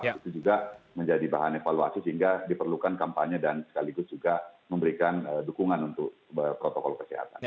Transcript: itu juga menjadi bahan evaluasi sehingga diperlukan kampanye dan sekaligus juga memberikan dukungan untuk protokol kesehatan